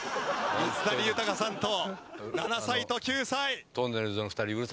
水谷豊さんと７歳と９歳。